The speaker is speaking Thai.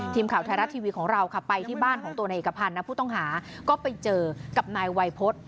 ทีมข่าวไทยรัฐทีวีของเราค่ะไปที่บ้านของตัวในเอกพันธ์นะผู้ต้องหาก็ไปเจอกับนายวัยพฤษ